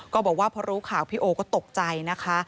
ก็บอกว่าพอรู้ข่าวพี่โอก็ตกใจนะคะ